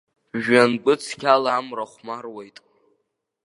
Жәҩангәы цқьала амра хәмаруеит.